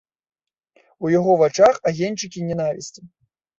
У яго вачах агеньчыкі нянавісці.